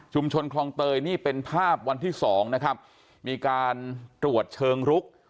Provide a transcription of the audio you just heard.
คลองเตยนี่เป็นภาพวันที่สองนะครับมีการตรวจเชิงรุก